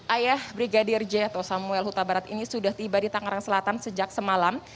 ayah brigadir j atau samuel huta barat ini sudah tiba di tangerang selatan sejak semalam